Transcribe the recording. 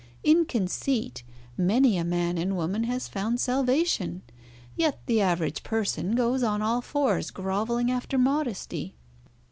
In conceit many a man and woman has found salvation, yet the average person goes on all fours grovelling after modesty.